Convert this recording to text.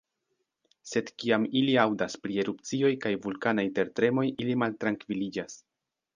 Sed kiam ili aŭdas pri erupcioj kaj vulkanaj tertremoj, ili maltrankviliĝas.